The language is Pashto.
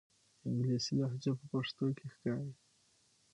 انګلیسي لهجه په پښتو کې ښکاري.